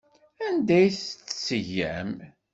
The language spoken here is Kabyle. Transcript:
Anda ay tt-teǧǧam?